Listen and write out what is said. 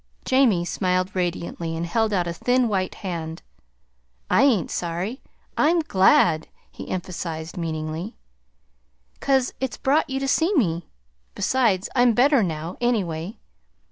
Jamie smiled radiantly and held out a thin white hand. "I ain't sorry I'm GLAD," he emphasized meaningly; "'cause it's brought you to see me. Besides, I'm better now, anyway.